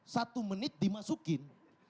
satu menit dimasukin